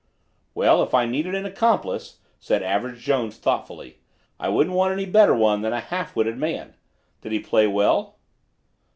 "Well, if I needed an accomplice," said Average Jones thoughtfully, "I wouldn't want any better one than a half witted man. Did he play well?"